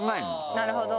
なるほど。